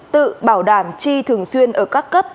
tự bảo đảm chi thường xuyên ở các cấp